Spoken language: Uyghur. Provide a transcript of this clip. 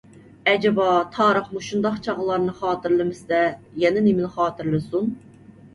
ئەجەبا تارىخ مۇشۇنداق چاغلارنى خاتىرىلىمىسە، يەنە نېمىنى خاتىرىلىسۇن!